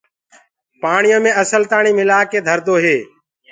پآڻيو مي اسل تآڻي مِلآ ڪي ڌردو هي۔